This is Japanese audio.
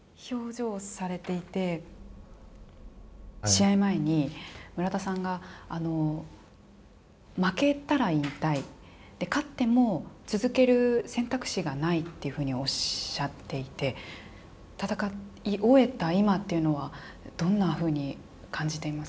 試合前に村田さんが負けたら引退、勝っても続ける選択肢がないっていうふうにおっしゃっていて戦い終えた今っていうのはどんなふうに感じていますか。